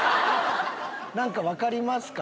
何か分かりますか？